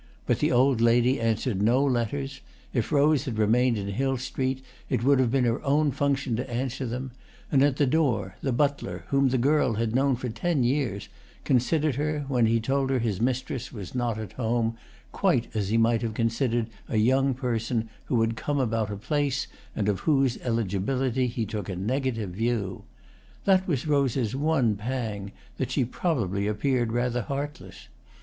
But the old lady answered no letters; if Rose had remained in Hill Street it would have been her own function to answer them; and at the door, the butler, whom the girl had known for ten years, considered her, when he told her his mistress was not at home, quite as he might have considered a young person who had come about a place and of whose eligibility he took a negative view. That was Rose's one pang, that she probably appeared rather heartless.